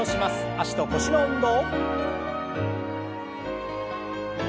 脚と腰の運動。